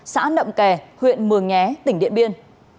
xã nậm kè huyện mường nhé tỉnh điện biên